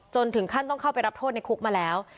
ถึงขั้นต้องเข้าไปรับโทษในคุกมาแล้ว